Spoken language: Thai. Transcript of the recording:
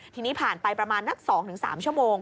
ทีนี้ผ่านไปประมาณนัก๒๓ชั่วโมง